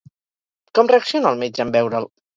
Com reacciona el metge en veure'l?